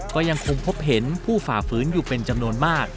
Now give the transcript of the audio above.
ก็ยังคงพบเห็นผู้ฝ่าฝืนอยู่เป็นจำนวนมาก